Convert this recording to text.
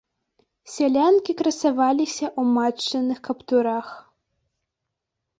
Сялянкі красаваліся ў матчыных каптурах.